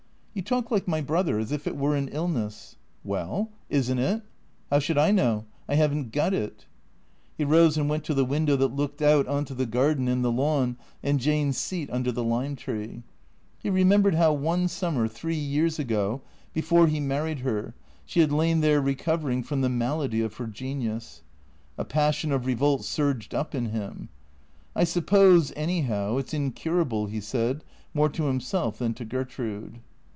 " You talk like my brother, as if it were an illness." " Well — is n't it ?"" How should I know ? I have n't got it." He rose and went to the window that looked out on to the garden and the lawn and Jane's seat under the lime tree. He remembered how one summer, three years ago, before he mar ried her, she had lain there recovering from the malady of her genius. A passion of revolt surged up in him. " I suppose, anyhow, it 's incurable," he said, more to himself than to Gertrude.